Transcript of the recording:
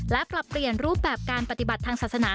และปรับเปลี่ยนรูปแบบการปฏิบัติทางศาสนา